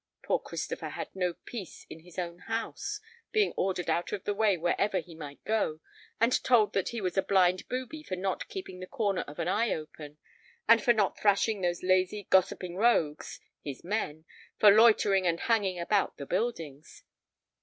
Poor Christopher had no peace in his own house, being ordered out of the way wherever he might go, and told that he was a blind booby for not keeping the corner of an eye open, and for not thrashing those lazy, gossiping rogues—his men—for loitering and hanging about the buildings.